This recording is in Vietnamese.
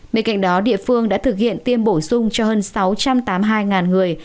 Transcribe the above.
bên cạnh đó địa phương đã thực hiện tiêm bổ sung cho hơn sáu trăm tám mươi hai người